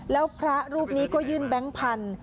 แล้วพระรูปนี้ก็ยื่นแบงค์พันธุ์